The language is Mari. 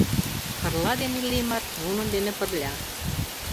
Карла ден Иллимар — нунын дене пырля.